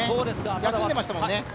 休んでいましたものね。